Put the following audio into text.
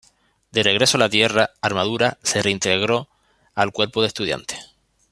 De regreso a la Tierra, Armadura se reintegró al Cuerpo de Estudiantes.